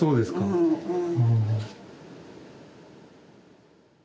うんうん。